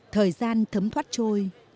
thời gian thấm thoát trôi